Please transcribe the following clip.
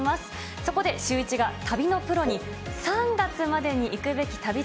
そこでシューイチが旅のプロに、３月までに行くべき旅先